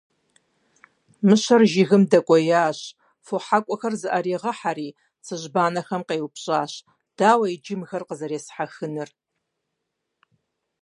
Мыщэр жыгым дэкӀуейщ, фо хьэкӀуэхэр зыӀэригъэхьэри, цыжьбанэхэм къеупщӀащ: - Дауэ иджы мыхэр къызэресхьэхынур?